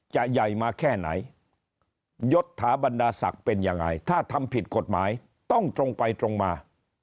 ใหญ่มาแค่ไหนยศถาบรรดาศักดิ์เป็นยังไงถ้าทำผิดกฎหมายต้องตรงไปตรงมา